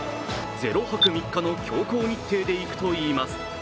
０泊３日の強行日程で行くといいます。